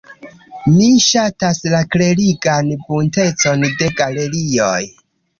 Mi ŝatas la klerigan buntecon de galerioj.